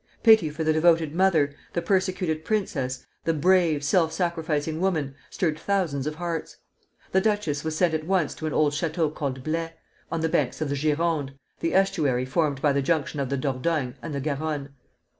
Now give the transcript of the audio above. Pity for the devoted mother, the persecuted princess, the brave, self sacrificing woman, stirred thousands of hearts. The duchess was sent at once to an old château called Blaye, on the banks of the Gironde, the estuary formed by the junction of the Dordogne and the Garonne.